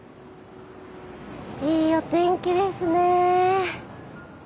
いいお天気ですね。